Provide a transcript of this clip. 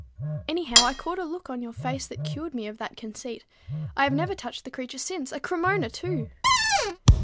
"Anyhow, I caught a look on your face that cured me of that conceit. I have never touched the creature since, a Cremona too!"